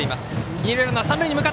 二塁ランナー、三塁へ。